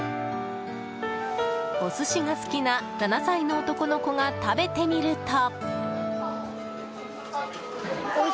お寿司が好きな７歳の男の子が食べてみると。